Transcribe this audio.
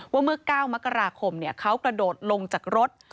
ว่าเมื่อ๙มกราคมเขากระโดดลงจากรถ